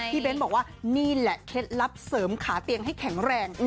เบ้นบอกว่านี่แหละเคล็ดลับเสริมขาเตียงให้แข็งแรง